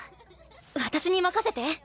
私に任せて。